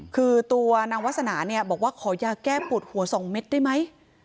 คือตัวนางวาสนาเนี่ยบอกว่าขอยาแก้ปวดหัว๒เม็ดได้ไหม